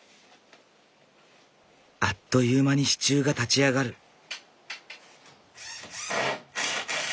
あっという間に支柱が立ち上がる。